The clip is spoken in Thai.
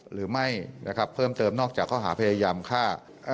หรือไม่นะครับเพิ่มเติมนอกจากข้อหาพยายามฆ่า